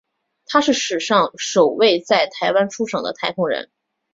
他是史上首位在台湾出生的太空人。